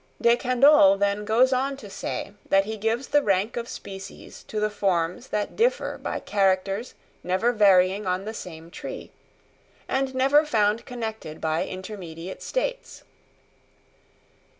De Candolle then goes on to say that he gives the rank of species to the forms that differ by characters never varying on the same tree, and never found connected by intermediate states.